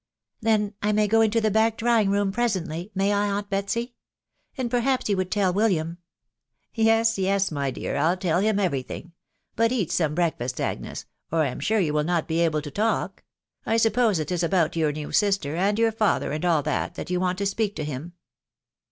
" Then I may go into the back drawing room presently .... may I, aunt Betsy ?•... And perhaps you would teD William "" Yes, yes, my dear, I'll tell him every thing .... Bat eat some breakfast, Agnes, or I am sure you will not be able to talk .... I suppose it is about your new sister, and your father, and all that, that you want to speak to him."